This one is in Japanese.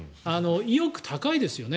意欲、高いですよね。